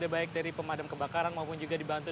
baik dari pemadam kebakaran maupun juga dibantu